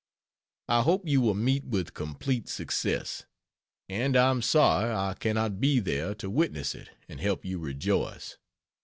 I hope you will meet with complete success, and I am sorry I cannot be there to witness it and help you rejoice.